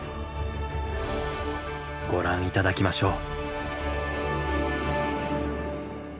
ご覧頂きましょう。